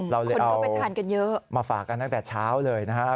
เราเลยเอามาฝากกันตั้งแต่เช้าเลยนะฮะ